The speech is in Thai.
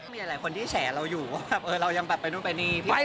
ไม่มีอะไรคนที่แฉเราอยู่เรายังไปนู่นไปนี่พี่โอ๊ดต่าง